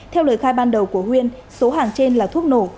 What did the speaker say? theo lời khai ban đầu của huyên số hàng trên là thuốc nổ